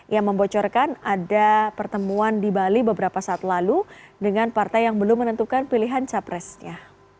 ia membocorkan ada pertemuan di bali beberapa saat lalu dengan partai yang belum menentukan pilihan capresnya